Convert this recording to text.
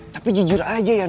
tapi jujur aja yan